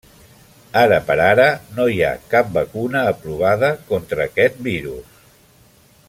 Ara per ara no hi ha cap vacuna aprovada contra aquests virus.